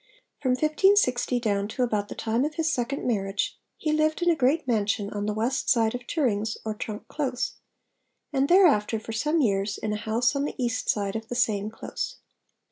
From 1560 down to about the time of his second marriage he lived in a 'great mansion' on the west side of Turing's or Trunk Close; and thereafter for some years in a house on the east side of the same close.